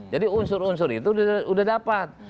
jadi unsur unsur itu sudah dapat